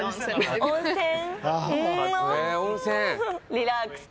リラックス。